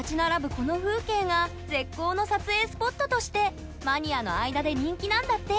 この風景が絶好の撮影スポットとしてマニアの間で人気なんだって！